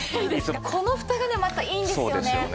このふたがねまたいいんですよね。